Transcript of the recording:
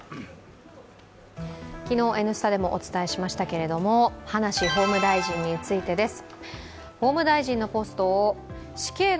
昨日、「Ｎスタ」でもお伝えしましたけれども葉梨法務大臣についてです。